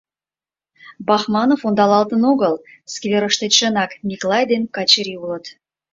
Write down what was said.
Бахманов ондалалтын огыл, скверыште чынак Миклай ден Качырий улыт.